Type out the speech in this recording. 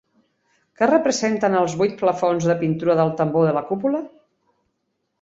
Què representen els vuit plafons de pintura del tambor de la cúpula?